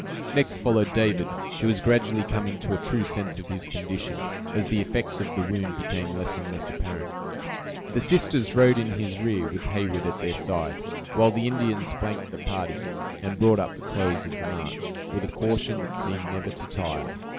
Next followed David, who was gradually coming to a true sense of his condition, as the effects of the wound became less and less apparent. The sisters rode in his rear, with Heyward at their side, while the Indians flanked the party, and brought up the close of the march, with a caution that seemed never to tire.